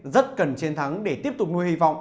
rất cần chiến thắng để tiếp tục nuôi hy vọng